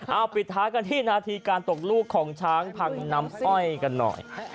เอาปิดท้ายกันที่นาทีการตกลูกของช้างพังน้ำอ้อยกันหน่อย